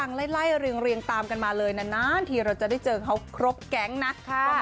ไล่เรียงตามกันมาเลยนานทีเราจะได้เจอเขาครบแก๊งนะ